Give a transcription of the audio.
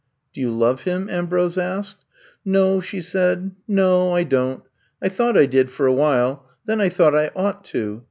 Do you love him f Ambrose asked. ^^No, she , said. No, I don*t. I thought I did — for awhile. Then I thought I ought to.